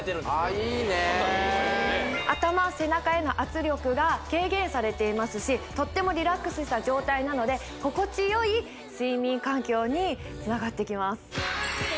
いいね頭背中への圧力が軽減されていますしとってもリラックスした状態なので心地よい睡眠環境につながっていきます